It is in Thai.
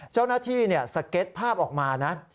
เจ้าหน้าที่สเก็ตภาพออกมานะ